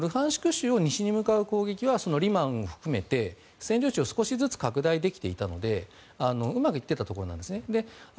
州を西に向かう攻撃はリマン含めて、占領地を少しずつ拡大できていたのでうまくいっていたと思うんです。